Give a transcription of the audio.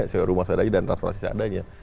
sewa rumah seadanya dan transferasi seadanya